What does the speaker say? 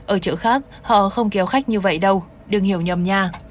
ở chợ khác họ không kéo khách như vậy đâu đừng hiểu nhầm nha